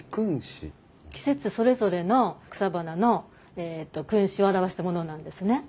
季節それぞれの草花のえっと君子を表したものなんですね。